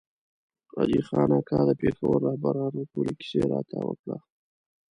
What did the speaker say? حاجي خان اکا د پېښور رهبرانو ټولۍ کیسه راته وکړه.